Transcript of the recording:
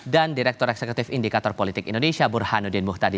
dan direktur eksekutif indikator politik indonesia burhanuddin buchtadi